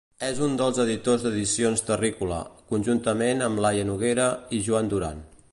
És un dels editors d'Edicions Terrícola, conjuntament amb Laia Noguera i Joan Duran.